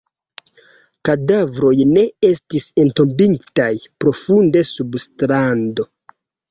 Kadavroj ne estis entombigitaj profunde sub strando.